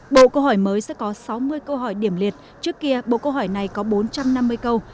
bộ câu hỏi mới sẽ có sáu mươi câu hỏi điểm liệt trước kia bộ câu hỏi này có bốn trăm năm mươi câu